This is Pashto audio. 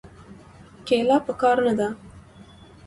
ګيله پکار نه ده.